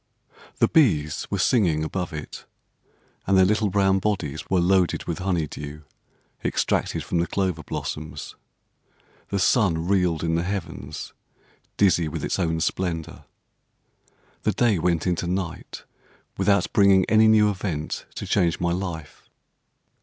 The bees were singing above it; and their little brown bodies were loaded with honey dew, extracted from the clover blossoms. The sun reeled in the heavens dizzy with its own splendour. The day went into night, without bringing any new event to change my life.